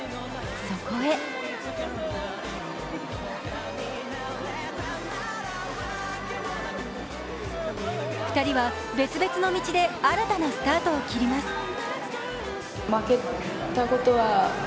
そこへ２人は別々の道で新たなスタートを切ります。